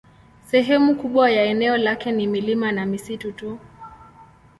Sehemu kubwa ya eneo lake ni milima na misitu tu.